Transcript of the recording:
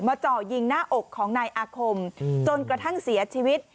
เจาะยิงหน้าอกของนายอาคมจนกระทั่งเสียชีวิต